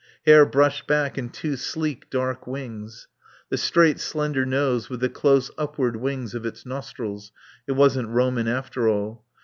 Hair brushed back in two sleek, dark wings. The straight slender nose, with the close upward wings of its nostrils (it wasn't Roman after all).